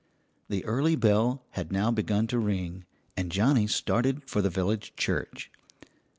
The early bell had now begun to ring, and Johnnie started for the village church.